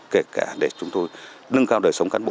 kể cả để chúng tôi nâng cao đời sống cán bộ